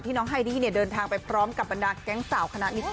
ที่น้องไฮดีเนี่ยเดินทางไปพร้อมกับบรรดาแก๊งสาวขณะมิสแกรมเขา